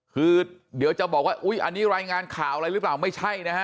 คือเดี๋ยวจะบอกว่าอุ๊ยอันนี้รายงานข่าวอะไรหรือเปล่าไม่ใช่นะฮะ